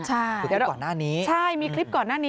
ใช่มีคลิปก่อนหน้านี้ใช่มีคลิปก่อนหน้านี้